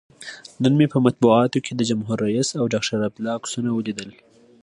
نن مې په مطبوعاتو کې د جمهور رئیس او ډاکتر عبدالله عکسونه ولیدل.